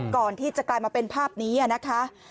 ก่อนที่จะกลายมาเป็นภาพนี้นะคะ